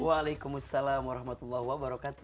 waalaikumsalam warahmatullahi wabarakatuh